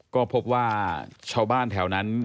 ก็พบว่าชาวบ้านแถวนั้น